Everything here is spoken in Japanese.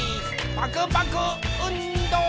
パクパクうんど！